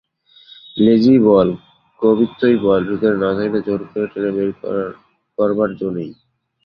লেজই বল কবিত্বই বল ভিতরে না থাকলে জোর করে টেনে বের করবার জো নেই।